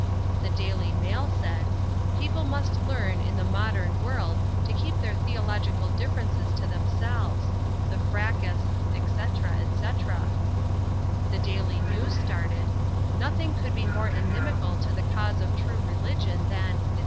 The Daily Mail said, "People must learn, in the modern world, to keep their theological differences to themselves. The fracas, etc. etc." The Daily News started, "Nothing could be more inimical to the cause of true religion than, etc.